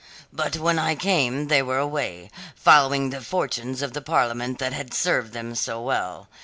But when I came they were away, following the fortunes of the Parliament that had served them so well.